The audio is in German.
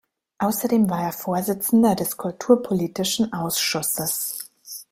Außerdem war er Vorsitzender des kulturpolitischen Ausschusses.